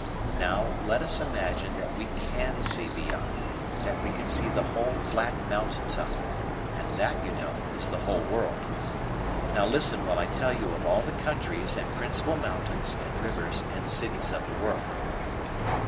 Now let us imagine that we can see beyond that we can see the whole flat mountaintop; and that, you know, is the whole world. Now listen while I tell you of all the countries, and principal mountains, and rivers, and cities of the world."